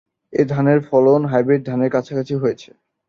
এ ধানের ফলন হাইব্রিড ধানের কাছাকাছি হয়েছে।